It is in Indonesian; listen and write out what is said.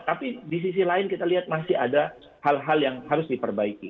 tapi di sisi lain kita lihat masih ada hal hal yang harus diperbaiki